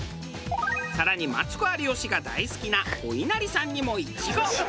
更にマツコ有吉が大好きなお稲荷さんにもイチゴ。